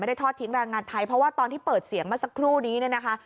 ทอดทิ้งแรงงานไทยเพราะว่าตอนที่เปิดเสียงเมื่อสักครู่นี้เนี่ยนะคะ